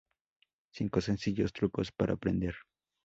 Cinco sencillos trucos para aprender